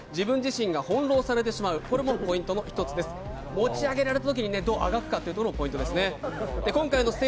持ち上げられたときにどうあがくかというところもポイントですね。